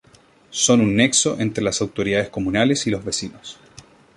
Son un nexo entre las autoridades comunales y los vecinos.